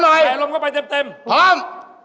นางเอกว่าอืม